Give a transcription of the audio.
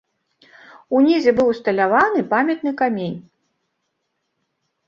Унізе быў усталяваны памятны камень.